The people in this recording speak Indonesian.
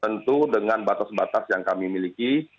tentu dengan batas batas yang kami miliki